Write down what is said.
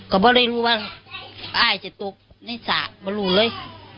ก็ไม่รู้ว่าอ้ายจะตกไม่รู้เลย